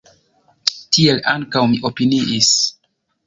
Tiel ankaŭ mi opiniis.